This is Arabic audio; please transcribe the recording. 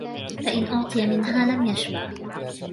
فَإِنْ أُعْطِيَ مِنْهَا لَمْ يَشْبَعْ